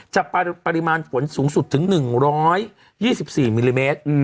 ปริมาณฝนสูงสุดถึง๑๒๔มิลลิเมตร